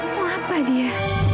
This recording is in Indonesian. mau apa dia